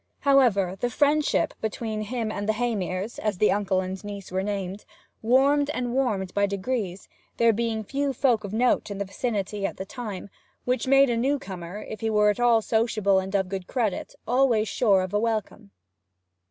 However, the friendship between him and the Heymeres as the uncle and niece were named warmed and warmed by degrees, there being but few folk o' note in the vicinity at that time, which made a newcomer, if he were at all sociable and of good credit, always sure of a welcome.